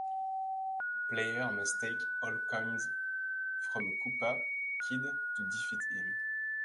Players must take all coins from a Koopa Kid to defeat him.